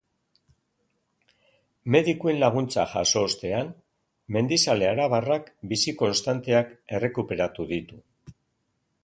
Medikuen laguntza jaso ostean mendizale arabarrak bizi-konstanteak errekuperatu ditu.